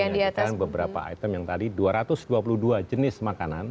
menyajikan beberapa item yang tadi dua ratus dua puluh dua jenis makanan